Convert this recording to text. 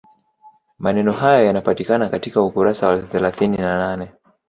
Maneno hayo yanapatikana katika ukurasa wa thelathini na nane